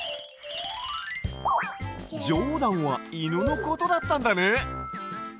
ジョーダンはいぬのことだったんだね。